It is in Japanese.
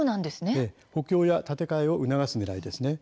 補強や建て替えを促すねらいです。